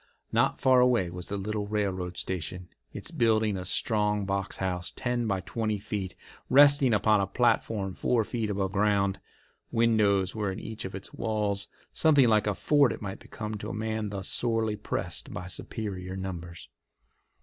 Not far away was the little railroad station, its building a strong box house, ten by twenty feet, resting upon a platform four feet above ground. Windows were in each of its walls. Something like a fort it might become to a man thus sorely pressed by superior numbers.